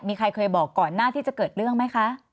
มีใครเคยบอกก่อนหน้าที่จะเกิดเรื่องไหมคะ